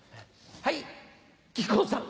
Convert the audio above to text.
はい木久扇さん。